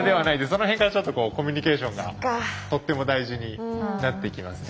その辺からちょっとコミュニケーションがとっても大事になってきます。